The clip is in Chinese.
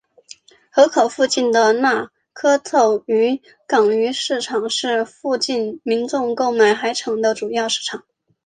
河口附近的那珂凑渔港鱼市场是附近民众购买海产的主要市场。